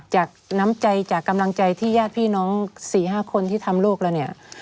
จากน้ำใจจากกำลังใจที่ญาติพี่น้อง๔๕คนที่ทำลูกเราเนี่ย